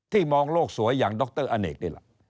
ที่มองโลกสวยอย่างดรอเนกได้หลับ